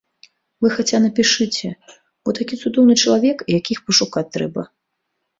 Вы хаця напішыце, бо такі цудоўны чалавек, якіх пашукаць трэба.